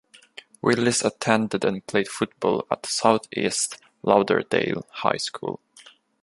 Willis attended and played football at Southeast Lauderdale High School.